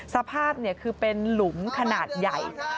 สภาพคือเป็นหลุมขนาดใหญ่